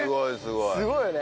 すごいよね！